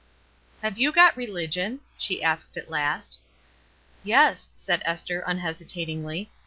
" TTAVE you got religion?" she asked at t L last. "Yes," said Esther, unhesitatingly.